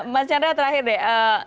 mas jadrah terakhir deh